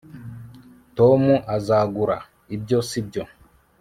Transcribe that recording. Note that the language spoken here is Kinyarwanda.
tom azagura ibyo, sibyo